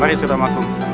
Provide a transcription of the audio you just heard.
mari saudara markum